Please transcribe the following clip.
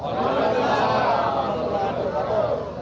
wa'alaikumsalam warahmatullahi wabarakatuh